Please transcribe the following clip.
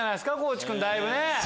地君だいぶね。